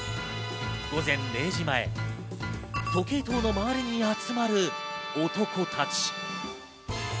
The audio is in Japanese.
午前０時前、時計塔の周りに集まる男たち。